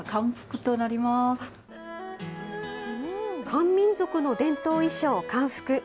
漢民族の伝統衣装、漢服。